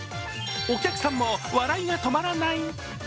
お客さんも笑いが止まらない。